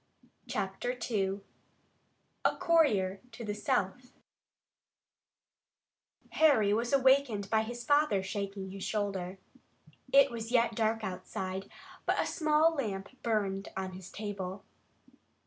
CHAPTER II A COURIER TO THE SOUTH Harry was awakened by his father shaking his shoulder. It was yet dark outside, but a small lamp burned on his table.